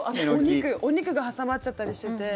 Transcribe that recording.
お肉が挟まっちゃったりしてて。